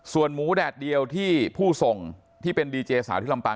ส่วนหมูแดดเดียวที่ผู้ส่งที่เป็นดีเจสาวที่ลำปาง